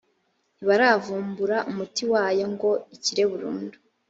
ntibaravumbura umuti wayo ngo ikire burundu